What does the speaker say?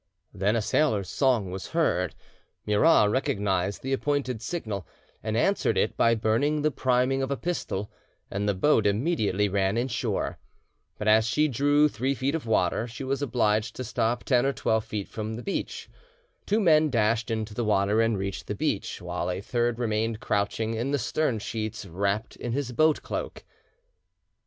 Then a sailor's song was heard; Murat recognised the appointed signal, and answered it by burning the priming of a pistol, and the boat immediately ran inshore; but as she drew three feet of water, she was obliged to stop ten or twelve feet from the beach; two men dashed into the water and reached the beach, while a third remained crouching in the stern sheets wrapped in his boat cloak.